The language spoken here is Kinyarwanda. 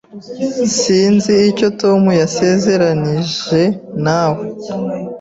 Sinzi icyo Tom yasezeranije nawe.